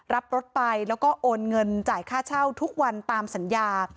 รับรถไปแล้วก็โอนเงินจ่ายค่าเช่าทุกวันตามสัญญา